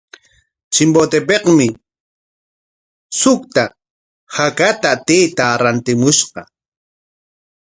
Chimbotepikmi suqta hakata taytaa rantimushqa.